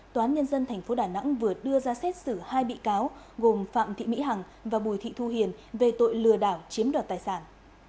tòa án nhân dân tp đà nẵng vừa đưa ra xét xử hai bị cáo gồm phạm thị mỹ hằng và bùi thị thu hiền về tội lừa đảo chiếm đoạt tài sản